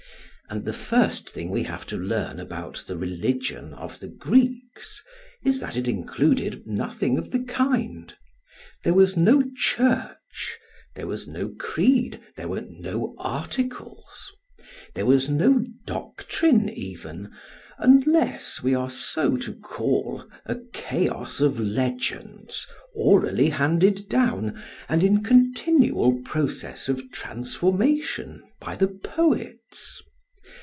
And the first thing we have to learn about the religion of the Greeks is that it included nothing of the kind. There was no church, there was no creed, there were no articles; there was no doctrine even, unless we are so to call a chaos of legends orally handed down and in continual process of transformation by the poets.